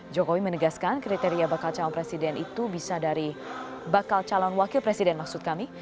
jokowi menegaskan kriteria bakal calon presiden itu bisa dari bakal calon wakil presiden maksud kami